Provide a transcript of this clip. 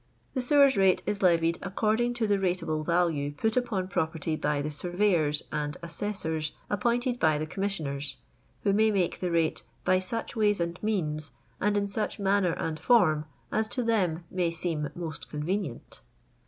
The sewers rate is levied according to the rate able value put upon property by the surveyors and assessors appointed by the Commissioners, who nay make the rate "by such ways and means, and in such manner and form, as to them may seem most convenient."